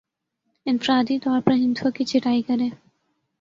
انفرادی طور پر ہندسوں کی چھٹائی کریں